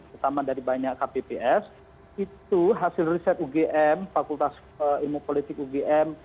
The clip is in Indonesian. pertama dari banyak kpps itu hasil riset ugm fakultas ilmu politik ugm